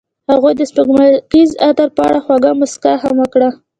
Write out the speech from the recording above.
هغې د سپوږمیز عطر په اړه خوږه موسکا هم وکړه.